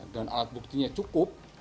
dan alat buktinya cukup